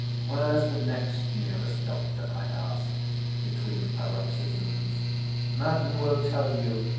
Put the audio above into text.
"Where's the next nearest doctor?" I asked between paroxysms. "Madden will tell you.